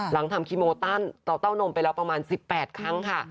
ทำคีโมตันเตาเต้านมไปแล้วประมาณ๑๘ครั้งค่ะ